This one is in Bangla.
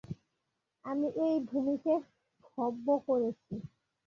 আমি এই ভুমিকে সভ্য করেছি।